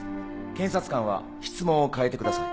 検察官は質問を変えてください。